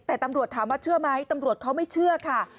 แต่ตำรวจถามว่าเชื่อไหมตำรวจเขาไม่เชื่อค่ะ